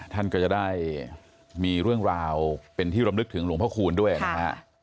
ท่านก็จะได้มีเรื่องราวเป็นที่รำลึกถึงหลวงพระคูณด้วยนะฮะ